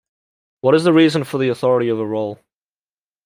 What is the reason for the authority of her role?